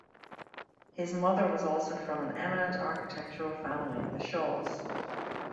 His mother was also from an eminent architectural family, the Shaws.